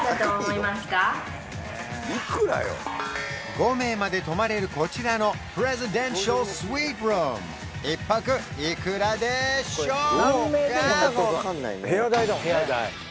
５名まで泊まれるこちらのプレジデンシャルスイートルーム１泊いくらでしょうか？